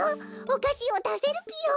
おかしをだせるぴよ。